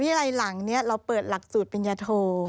อะไรหลังนี้เราเปิดหลักสูตรปริญญาโท